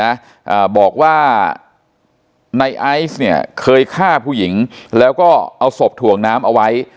อ่าบอกว่าในไอซ์เนี่ยเคยฆ่าผู้หญิงแล้วก็เอาศพถ่วงน้ำเอาไว้